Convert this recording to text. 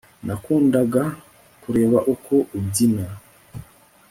nakundaga kureba uko ubyina